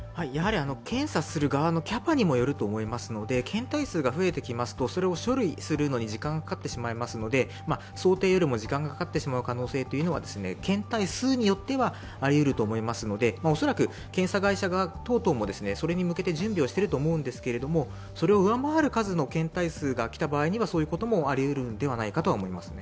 検査する側のキャパにもよると思いますので検体数が増えてくるとそれを処理するのに時間がかかってしまいますので想定よりも時間がかかってしまう可能性は検体数によってはありえると思いますので恐らく検査会社側等々もそれに向けて準備をしていると思うんですが、それを上回る検体数が来るとそういうこともありうるんではないかと思いますね。